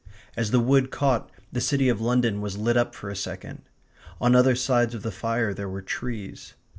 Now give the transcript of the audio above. As the wood caught the city of London was lit up for a second; on other sides of the fire there were trees.